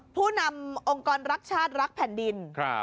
ผู้นำองค์กรรักชาติรักแผ่นดิน